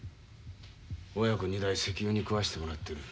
親子２代石油に食わしてもらってる。